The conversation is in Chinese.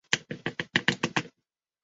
沙雷人口变化图示